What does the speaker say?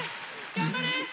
頑張れ！